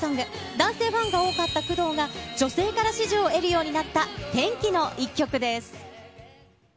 男性ファンが多かった工藤が、女性から支持を得るようになった転機の一曲です。